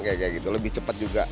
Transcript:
kayak kayak gitu lebih cepat juga